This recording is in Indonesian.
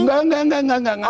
enggak enggak enggak